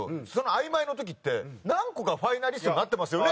あいまいの時って何個かファイナリストになってますよねって言われて。